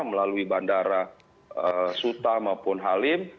melalui bandara suta maupun halim